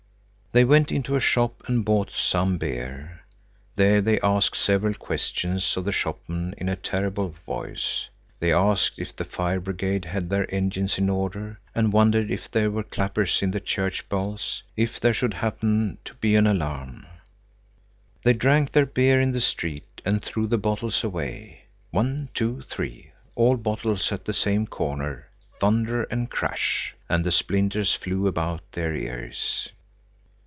They went into a shop and bought some beer. There they asked several questions of the shopman in a terrible voice. They asked if the fire brigade had their engines in order, and wondered if there were clappers in the church bells, if there should happen to be an alarm. They drank their beer in the street and threw the bottles away. One, two, three, all the bottles at the same corner, thunder and crash, and the splinters flew about their ears.